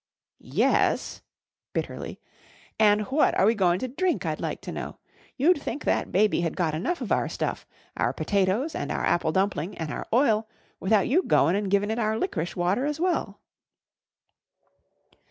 "Yes," bitterly, "and what are we goin' to drink, I'd like to know? You'd think that baby had got enough of our stuff our potatoes and our apple dumpling, an' our oil without you goin' an' givin' it our licorice water as well."